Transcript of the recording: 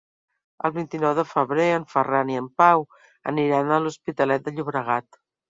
El vint-i-nou de febrer en Ferran i en Pau aniran a l'Hospitalet de Llobregat.